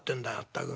全く。